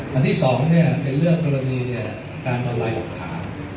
มันก็จะมีการเทียบร้านในทุก๓ส่วน